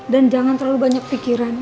dan jangan terlalu banyak pikiran